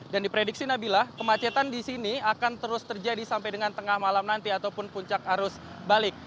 dan diprediksi nabila kemacetan di sini akan terus terjadi sampai dengan tengah malam nanti ataupun puncak arus balik